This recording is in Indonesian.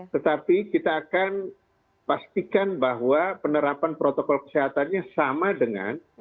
tetapi kita akan pastikan bahwa penerapan protokol kesehatannya sama dengan